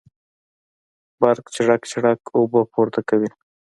برق چړت چړت اوبه پورته کوي.